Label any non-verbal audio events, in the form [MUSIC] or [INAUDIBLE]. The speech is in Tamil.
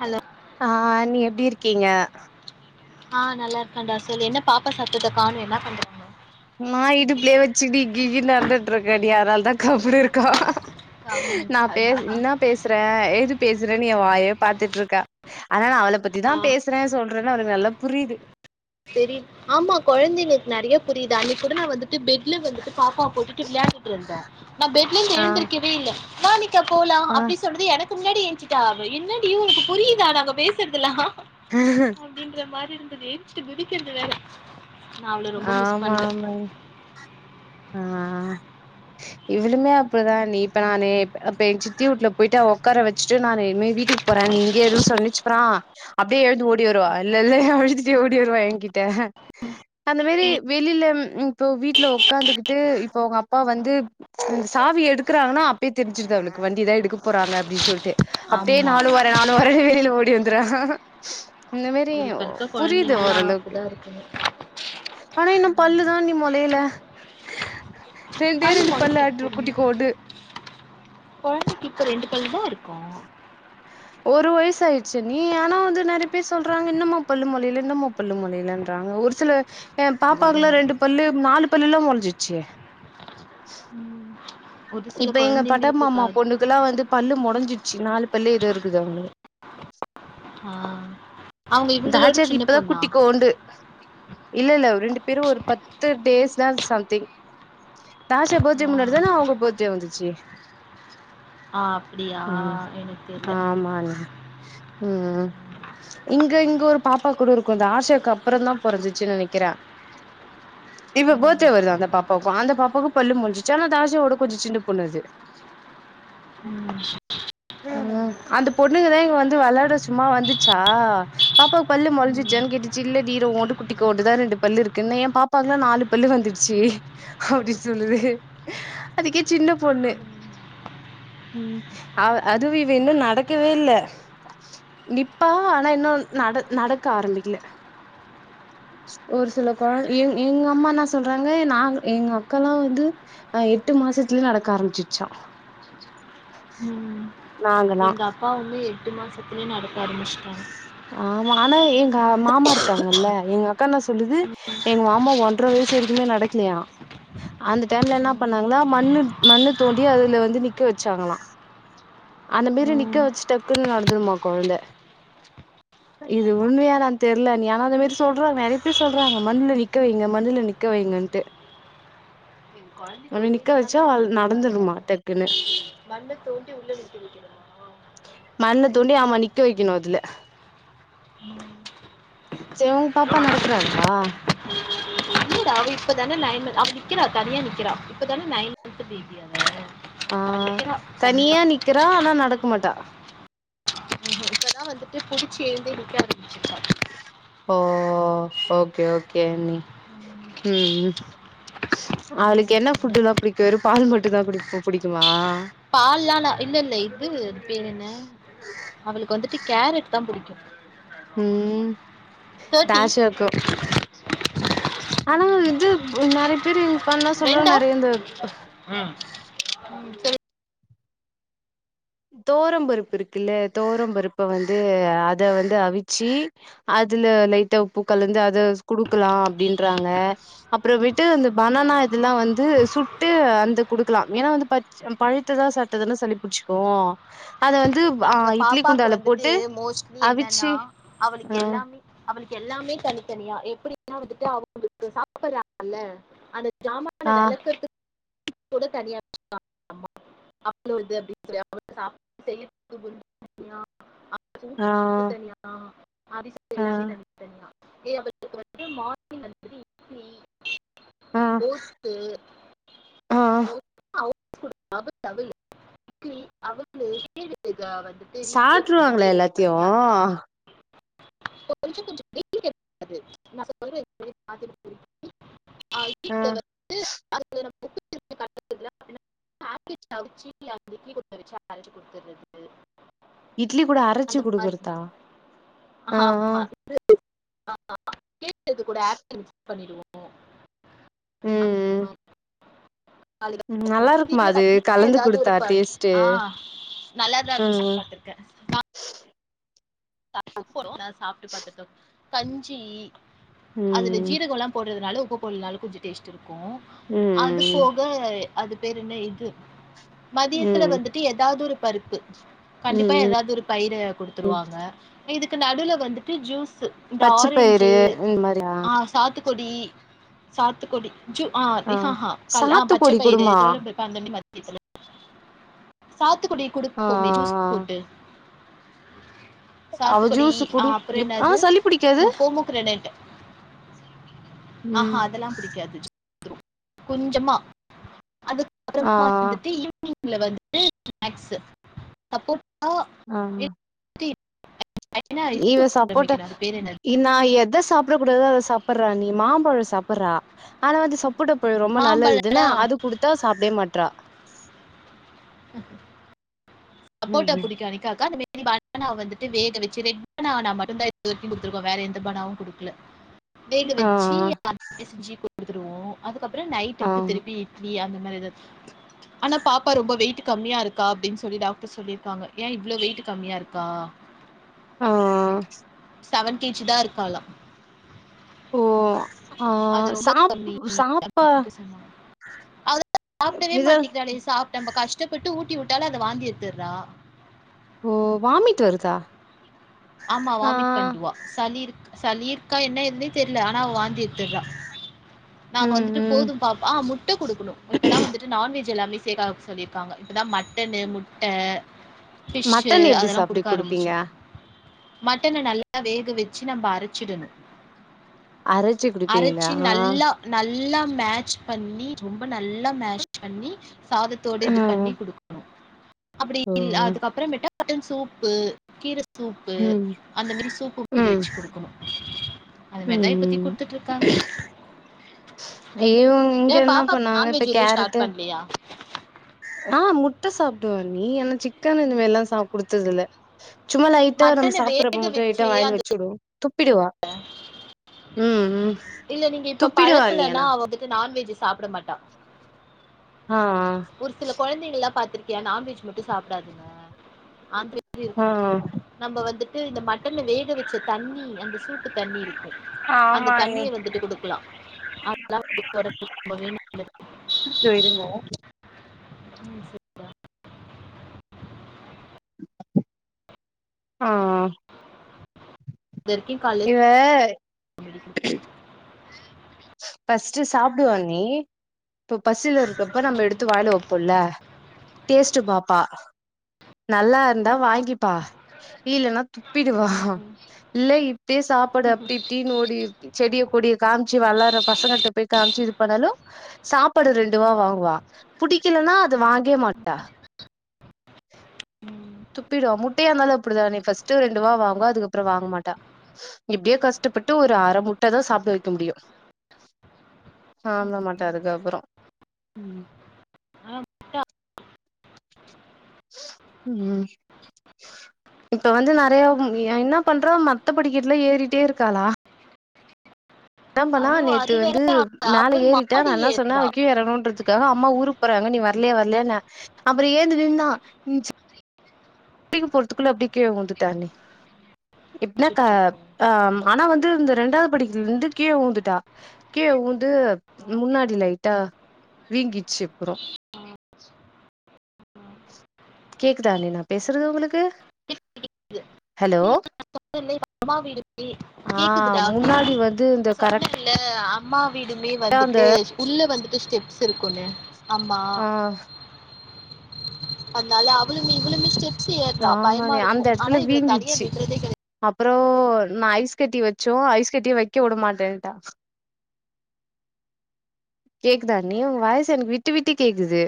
ஹலோ ஆ நீ எப்டி இருக்கீங்க ஆ நல்லா இருக்கன்டா சொல்லு என்ன பாப்பா சத்தத்த காணோ என்ன பண்றாங்க நா இடுப்லயே வெச்சுட்டி அங்கிட் இங்கிட் நடந்துட்ருக்கேடி அதனாலதா கம்முனு இருக்கா கம்முனு நா பேஸ இருக்காளா இன்னா பேசுறே ஏது பேஸ திறேனு வாயே பாத்துட்ருக்கா ஆனா நா அவள பத்திதா ஆ பேசுறே சொல்றேன்னு அவளுக்கு நல்லா புரியுது தெரிது ஆமா கொழந்தைங்குளுக்கு நறையா புரியுது அன்னிக்கூட நா வந்துட்டு பெட்ல வந்துட்டு பாப்பா போட்டுட்டு வெளா டிட்டு இருந்தே நா பெட்ல ஆ எழுந்திருக்கவே இல்ல வா நிக்கா போலா ஆ அப்டீ சொன்னது எனக்கு முன்னாடி ஏஞ்சுட்டா என்னாடியு உனக்கு புரியுதா நாங்க பேசுறதுலா ஹ பஸ்டு குதிக்குறது வேற நா அவ்ள ரொம்ப மிஸ் ஆமா பண்றே ஆமாங்க இவ்ளுமே அப்டிதான்டீ இப்ப நானு அப்ப என் சித்தி வீட்ல போயிட்டு ஒக்கார வெச்சுட்டு நானு மே பி வீட்டுக்கு போறே நீங்க இருன்னு சொன்னிச்சுப்பாற அப்டியே எழுந்து ஓடி வருவா இல்லல்ல அவ அழுத்துட்டே ஓடி வருவா ஏ கிட்ட அந்த மேரி வெளில இப்போ வீட்ல ஒக்காந்துகிட்டு இப்ப உங்க அப்பா வந்து அந்த சாவி எடுக்குறாங்கன்னா அப்பயே தெரிஞ்சுறுது அவளுக்கு வண்டிதா எடுக்க போறாங்க அப்டீனு சொல்ட்டு அப்டியே ஆமா நானு வரே நானு வரே வெளில ஓடி வந்துறுவா இந்த மேரி இப்ப இருக்க புரியுது கொழந்தைங்கல்லா ஓரளவுக்கு அப்டிதா இருக்குங்க ஆனா இன்னு பல்லுதான்டி மொலைல பல்லு மொளைக்கோ பொறுமயா கொழந்தைக்கு இப்போ ரெண்டு பல்லுதா இருக் கோ ஒரு வயசு ஆயிர்ச்சு நீ ஆனா வந்து நறைய பேர் சொல்றாங்க இன்னுமா பல்லுமொலைல இன்னுமா பல்லு மொலைலன்றாங்க ஒரு ஒரு சில எ வரு பாப்பாக்குலா வரு ரெண்டு பல்லு நாலு பல்லுல்லா மொலைஞ்சிச்சே ம் ஒரு சில இப்ப எங்க குழந்தைங்களுக்கு க பட்டமாமா பொண்ணுக்குலா வந்து பல்லு மொலைஞ்சிச்சி நாலு பல்லு ஏதோ இருக்குது அவுங்குளுக் உம் ஆ அவங்க இவங்களோட தாச்சாக்கு சின்ன இப்பதா பொண்ணா? குட்டிக்கோண்டு இல்ல இல்ல ரெண்டு பேரு ஒரு பத்து டேஸ் தா சம்திங் தாச்சா பர்த்டே ஆ. முன்னாடிதானே அவுங்க பர்த்டே வந்துச்சு ஆ அப்படியா? ம் எனக்கு தெரியல. ஆமாங்க ம் ம் இங்க இங்க ஒரு பாப்பா கூட இருக்கோ இந்த ஆஷாக்கு அப்புறோதா பொறந்துச்சுன்னு நெனைக்குறே அ இப்ப பர்த்டே வருது அந்த பாப்பாவுக்கோ அந்த பாப்பாவுக்கு பல்லு மொல்ச்சுச்சு ஆனா ஆஷாவோட கொஞ்சோ சின்ன பொண்ணு அது [UNINTELLIGIBLE] ம் அந்த பொண்ணுங்கதா இங்க வந்து வெளாட சும்மா வந்துட் ச்சா பாப்பாவுக்கு பல்லு ம். மொல்ஞ்சுச்சானு கேட்டுச்சு இல்லடீ ரொவோன்டு குட்டிகோன்டுதா ரெண்டு பல்லு இருக்குன்னு ஏ பாப்பா பக்கத்துல நாலு பல்லு வந்துடுச்சு அப்டி சொல்லுது அதுக்கே சின்ன பொண்ணு உ ம் அவ அதுவே இவ இன்னோ நடக்கவே இல்ல நிப் பா ஆனா இன்னோ நட நடக்க ஆரம்பிக்குல [UNINTELLIGIBLE] ஒரு சில கொழந் இங் எங்கம்மா என்ன சொல்றாங்க நாங்க எங்க அக்காலா வந்து அ எட்டு மாசத்துல நடக்க ஆரம்பிச்சுச்சா ம் நாங்களா எங்க அக்காவுமே எட்டு மாசத்துலே நடக்க ஆரம்மிச்சிட்டாங்க ஆமா ஆனா எங்க மாமா இருக்காங்கல்ல எங்க அக்கானா சொல்லுது எங்க மாமா ஒன்ற வயசு வரைக்குமே நடக்கலையா அந்த டைம்ல என்ன பண்ணாங்கான்னா மண்ணு மண்ணு தோண்டி அதுல வந்து நிக்க வெச்சாங்களா அந்த மேரி நிக்க ம். வெச்சு டக்குன்னு நடந்துருமா கொழந்த இது ஆமா. உண்மையா என்னான்னு தெர்ல நீ ஆனா அந்த மேரி சொல்றாங்க நறைய பேர் சொல்றாங்க மண்ணுல நிக்க வைங்க மண்ணுல நிக் கவைங்கன்ட்டு என் கொழந்தைக்கி ஒரே வச்சா அவ சாகுது நடந்துருமா பரவால்ல டக்குன்னு மண்ண தோண்டி உள்ள நிறத்தி வைக்கணுமா மண்ண தோண்டி ஆமா நிக்க வைக்கணு அதுல ம். செரி உங்க பாப்பா நடக்கறாளா இல்லடா அவ இப்பதான நைன் அவ நிக்கிறா தனியா நிக்கிறா இப்பதான நைன்மன் பேபி அவ ஆ அவ நிக்கிறா தனியா நிக்கிறா ஆனா நடக்க மாட்டா இப்போ தா வந்துட்டு புடிச்சி எழுந்தே ‌நிக்க ஆரம்மிச்சிருக்கா ஓ ஓகே ஓகே அன்னி ம்‌ ம் அவளுக்கு என்ன புட்டு் தா புடிக்கியு வெறு பால் மட்டு தா புடிக் புடிக்கியுமா பால்லால்ல இல்லெல்ல இது அது பேரன்ன அவளுக்கு வந்துட்டு கேரட் தா புடிக்கியு ம் டாஷிவக்கு ஆனா இத் வந்து ம் நறைய பேரு பண்ணா சொல்றா ரெண்டா நறைய இந்த சரி தோவரம்பருப்பு இருக்குல்ல தோவரம் பருப்ப வந்து அத வந்து அவிச்சு அத் இதுல லைட்ட உப்புகலந்து அத குடுக்கலா அப்டின்றாங்க அப்புறமேட்டு அந்த பனானா அதெல்லா வந்து சுட்டு வந்து குடுக்கலா ஏன்னா வந்து பச்ச ம் பழுத்ததா சாப்டாதன்ன சளிபுடிச்சுக் அதா அத வந் நாங்க பாப்பாக்கு வந்துட்டு மோஸ்ட்லி என்னன்னா அவிச்சி ஆ அவளுக்கு எல்லாமே அவளுக்கு எல்லாமே தனி தனி தனியா எப்பிடின்னா வந்துட்டு அவங்களுக்கு சாப்படுறாங்கல்ல அந்த ஜாமான ஆ வெளக்கறதுக் கூட தனியா [INAUDIBLE] அவ்ளோடது அப்டின் [INAUDIBLE] சுவிட் ஆ க்கு தனியா அரிசி ஆ எல்லாமே தனி தனியா ஏய் அவளுக்கு வந்து மார்னிங் வந்துட்டு இட்லி ஆ ஓட்ஸு ஆ ஓட்ஸ்சு அவளுக் [INAUDIBLE] குடுத் அவுட் டவுள் [INAUDIBLE] அவுலு [INAUDIBLE] சாப்ட்ருவாங்களா எல்லாத்தியு கொஞ்சோ கொஞ்சோ [INAUDIBLE] காது நா சொல்ற [INAUDIBLE] ஆ இட்லி [INAUDIBLE] வந்து அது நம்ம [INAUDIBLE] பாக்கெட்ல அவுச்சி அந்த கீ குடுத்து வெச்சு அரச்சு குடுத்துர்றது இட்லி கூட அரச்சு அந்த மாரி குடுக்குறதா ஆ ஆ ஆமா ஆமா கேக்றது கூட ஆட் பண்ணி மிக்ஸ் பண்ணிடுவோ ஆ ம் ம்மா ம் நல்லாருக்கு ம்மாது கண்டிப்பா கலந்து ஏதாவது ஒரு குடுத்தா ப- டேஸ்ட் ஆ நல்லா தான் அ அ இருக்கும் சாப்பிட்டு நாங்க சாப்ட்டு பாத்துட்டோ கஞ்சி அதுல ம் ஜீரோகல்லா போடுறதுனால உப்பு போடுனாலு கொஞ்சோ டேஸ்ட்ருக் கு அது ம் போக அது பேரு என்ன இது மதியத்துல ம் வந்துட்டு ஏதாவது ஒரு பருப்பு ம் கண்டிப்பா ஏதாவது ஒரு பயிரை காடுத்துருவாங்க இதுக்கு நடுவுல வந்துட்டு ஜூஸு இந்த பச்ச ஆரஞ்சு பயிறு இந்த மாரியா ஆ சாத்துக் குடி சாத்துக்கொடி ஜு ஆ இ ஹா ஹா கால் ஆ பச்ச சாத்துக்கொடி பயிறு குடுமா கோவம் பருப்பு [UNINTELLIGIBLE] நீ சொல்லு சாத்துக்குடிய குடுப்பு ஆ பொமே ஜூஸ் ஆ போட்டு அவ சாத்துக்குடி ஜூஸு அ குடு அப்புறோ இப் ஆ என்னது சளி புடிக்காது பொமோகிரனேட் ஆஹா ம் அதெல்லா புடிக்காது கொஞ்சமா ஆ அதுக்கப்றமா இந்துட்டு ஈ ஈவ்னிங்ல வந்துட்டு மேக்ஸ்சு ஆ [UNINTELLIGIBLE] இவ சப்போட்ட அது பேர் என்னது இன்னா எத சாப் ப்ட கூடாதோ அத சாப்பிர்றா நீ மாம்பழ சாப்பர்றா ஆனா வந்து சப் ப்பட பழு ரொம்ப நல்லதுனா மாம்பழம் அது குடுத்தா சாப்டே மாட்றா அப்போட்டா புடிக்கு அனிக்காக்கா இந்த மே ரி பானானா வந்துட்டு வேக வச்சு ரெட் பனானா மட்டுந்தா [UNINTELLIGIBLE] குடுத்ருக்கோ வேற எந்த பனாவு குடுக்ல வேக ஆ வச்சி அத செஞ்சி குடுத்துருவோ அதுக்கப்பற ஆ நைட்டுக்கு திருப்பி இட்லி அந்த மேரிதத் ஆனா பாப்பா ரொம்ப வெயிட்டு கம்மியா இருக்கா அப்டின் சொல்லி டாக் ட்டு சொல்லிருக்காங்க ஏ இவ்ளோ வெயிட்டு கம்மியாருக்கா ஆ செவன் கேஜிதா இருக்காலா ஓ ஆ அது ரொம்ப சாப்பு சாப்பா அதலா சாப்டவே இத மாட்டிக்றாலே சாப்டம் கஷ்டப்பட்டு ஊட்டிவிட் ட்டால அத வாந்தி எட்த்துர்றா ஓ வாமிட் வருதா ஆமா ஆ வாமிட் பண்டுவா சளி இருக் சளி இருக்கா என்ன ஏதுனே தெர்ல ஆனா அவ வாந்தி எத்துர்றா நாங்க ம் வந்துட்டு ம் போதும் பாப் ஆ முட்ட குடுக்குணு இப்பதா வந்துட்டு நான்வெஜ் ஜ் எல்லாமே சேகாப் சொல்லிருக்காங்க இப்பதா மட்டனு முட்ட ஃபிஸ்ஷு மட்டன் எப்டி அதலா சாப்டு குடுக்க குடுப்பீங்க ஆரம்பிச்சிருக்கோ மட்டன நல்லா வேக வச்சு நம்ம அரச்சிடணு அரச்சு குடுப்பீங்களா அரச்சி நல்லா நல் நல்லா மேட்ச் பண்ணி ரொம்ப நல்லா மேஷ் பண்ணி சாதத்தோடு ஆ இது பண்ணி குடுக்குணு அப்டி ஓ இல் அதுக்கப்பறமேட்ட மட்டன் சூப்பு கீர சூப்பு ம் அந்த மேரி சூப்பு மேரி ம் வச்சு குடுக்குணு அதுமேரிதா இப்பத்திக் ம் குடுத்துட்ருக்காங்க இவங்க இங்க ஏம் என்ன பாப்பாக்கு பண்ணாங்க இப்ப நான்வெஜ் எது ஸ்டார்ட் கேரட்டு பண்லியா ஆ முட்ட சாப்டுவ நீ அனா சிக்கன் இன்ன மேர்லா சாப் குடுத்ததுல்ல சும்மா லைட்டா நம்ம மட்டன வேக சாப்பிறப்ப மட்டு லைட்டா வச்சு வாயுல அந்த வச்சுடுவோ துப்பிடுவா உம் உம் இல்ல நீங்க இப்ப பழக்கலனா அவ வந்துட்டு நான்வெஜ் சாப்ட மாட்டா ஆ ஒரு சில கொழந்தைகள்லா பாத்திருக்கியா நான்வெஜ் மட்டு சாப்டாதுங்க ஆன் வெஜ் ஆ இருக்கு ஆ நம்ம வந்துட்டு ட்டனு வேக வச்ச தண்ணி அந்த சூப்புத் தண்ணி இருக்கு ஆமா அந்தத் அண்ணி தண்ணிய வந்துட்டு குடுக்லா அதெலா வந்துட்டு ஒடம்புக்கு ரொம்பவே நல்லது [UNINTELLIGIBLE] ம் செரிடா ஆ இது வரைக்கும் காலையில இவ பஸ்ட்டு சாப்பிடுவா அண்ணி இப்ப பசில இருக்கப்ப நம்ம ம். எடுத்து வாய்ல வப் பொல்ல டேஸ்ட்டு பாப்பா நல்லாருந்தா வாங்கிப்பா இல்லனா துப்பிடுவா இல்ல இப் ப்பியே சாப்பட அப்டி இப்டினு ஓடி செடிய கொடிய காம்ச்சி வளற பசங்கல்ட்ட போய் காமிச்சி இது பண்ணாலு சாப்பாடு ரெண்டுவா வாங்குவா புடிக்கலனா அது வாங்கே மாட்டா ம். துப்பிடுவா முட்டையாந்தாலு அப்புடிதா நீ ஃபஸ்ட்டு ரெண்டு வா வாங்குவா அதுக்கப்ற வாங்கமாட்டா இப்டியே கஷ்ட பட்டு ஒரு அர முட்டதா சாப்ட வக்க முடியு சாப்ட மாட்ட அதுக்கப்பறோ ம் ஆ ம் இப்ப வந்து நெறைய ம் எ என்ன பண்றா மத்த படிக்கட்ல ஏறிட்டே இருக்காளா என்ன பண்ணா ஐயோ! நேத்து அது வேற வந்து மேல ஏறிட்ட மாடி நா என்ன சொன்னே ஏறுறா அவ கீழ எறங்கணுன்றதுக்காக அம்மா ஊருக்கு போறாங்க நீ வர்லயா வர்லயான்ன அப்பறோ எழ்ந்து நின்னா புடிக்க போறத்துக்குள்ள அப்டியே உழ்ந்துட்டா அண்ணி இப்லா கா அச்சச்சோ. ஆ ஆனா வந்து இந்த ரெண்டாவ்து படிக் இதுலர்ந்து கீழ உழ்ந்துட்டா கீழ உழ்ந்து முன்னாடி லைட்டா வீங்கிர்ச்சி அப்றோ கேக்குதா அண்ணி நா பேசறது உங்களுக்கு ஹலோ [INAUDIBLE] தோழி அம்மா வீடு தோழி ஆ கேக்குதுடா [INAUDIBLE] முன்னாடி வந்து இந்த நா கரெக்டா சொன்னல்ல அம்மா வீடுமே அந்த வந்துட்டு உள்ள வந்துட்டு ஸ்டெப்ஸ் இருக்குங்க ஆமா ஆ அதுனால அவளுமே இவளுமே ஸ்டெ ப்ஸு ஏர்றா பயமா ஆமாண்ணே இருக்கு அந்த ஆனா எடத்துல இவள தனியா வீங்கிச்சு விட் அப்றோ நா ஐஸ் கட்டி வெச்சு ஐஸ் கட்டிய வெக்க உட மாட்டேன்ட்டா கேக்குதா அண்ணி உங்க வாய்ஸ் எனக் விட்டு விட்டு கேக்குது